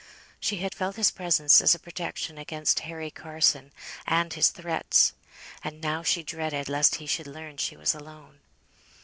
She had felt his presence as a protection against Harry Carson and his threats; and now she dreaded lest he should learn she was alone.